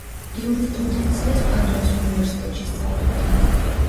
იურისპრუდენციას პადუას უნივერსიტეტში სწავლობდა.